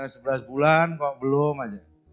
sudah sebelas bulan belum aja